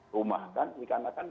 rumahkan ini karena kan